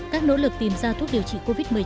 các nỗ lực tìm ra thuốc điều trị covid một mươi chín